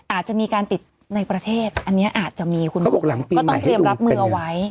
อาจจะมีการติดในประเทศอันนี้อาจจะมีคุณหมอก็ต้องเตรียมรับมือเอาไว้